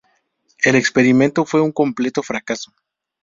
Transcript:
El experimento fue un completo fracaso.